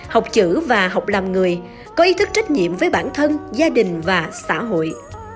học chữ và học làm người có ý thức trách nhiệm với bản thân gia đình và xã hội